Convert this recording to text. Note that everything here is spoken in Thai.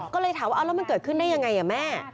ก็เลยถามว่าเอาแล้วมันเกิดขึ้นได้ยังไงแม่